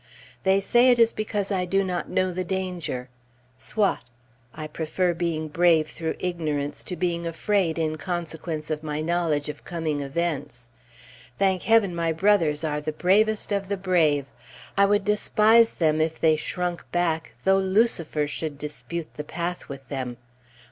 They say it is because I do not know the danger. Soit. I prefer being brave through ignorance, to being afraid in consequence of my knowledge of coming events. Thank Heaven, my brothers are the bravest of the brave! I would despise them if they shrunk back, though Lucifer should dispute the path with them.